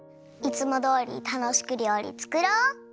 いつもどおりたのしくりょうりつくろう！